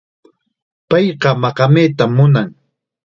Payqa maqamaytam munan.